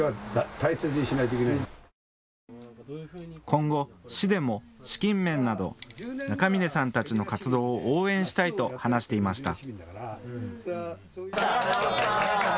今後、市でも資金面など中峰さんたちの活動を応援したいと話していました。